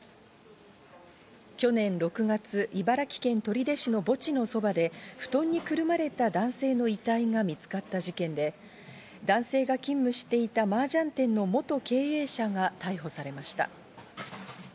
去年６月、茨城県取手市の墓地のそばで布団にくるまれた男性の遺体が見つかった事件で、男性が勤務していたマージャン店の元経営者が逮捕されました。